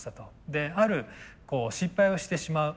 である失敗をしてしまう。